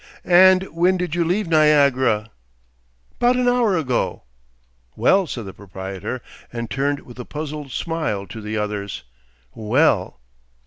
"And when did you leave Niagara?" "'Bout an hour ago." "Well," said the proprietor, and turned with a puzzled smile to the others. "Well!"